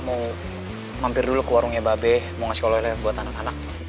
mampir dulu ke warungnya babe want to ask kalau lele buat anak anak